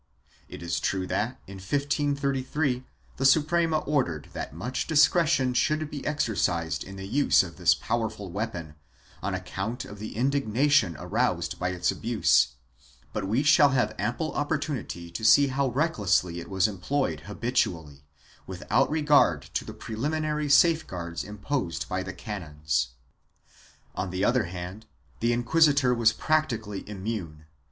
It is true that, in 1533, the Suprema ordered that much discretion should be exercised in the use of this powerful weapon, on account of the indignation aroused by its abuse, but we shall have ample opportunity to ;see how recklessly it was employed habitually, without regard to the preliminary safeguards imposed by the canons.1 On the other hand, the inquisitor was practically immune.